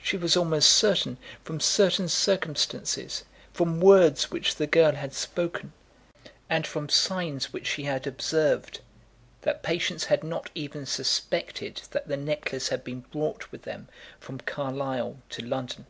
She was almost certain, from certain circumstances, from words which the girl had spoken, and from signs which she had observed, that Patience had not even suspected that the necklace had been brought with them from Carlisle to London.